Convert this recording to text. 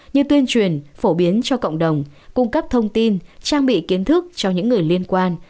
như tuyên truyền phổ biến cho cộng đồng cung cấp thông tin trang bị kiến thức cho những người liên quan